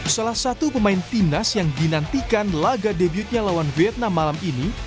salah satu pemain timnas yang dinantikan laga debutnya lawan vietnam malam ini